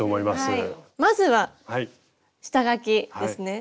まずは下描きですね。